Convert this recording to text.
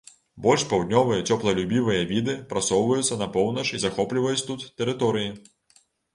Больш паўднёвыя цёплалюбівыя віды прасоўваюцца на поўнач і захопліваюць тут тэрыторыі.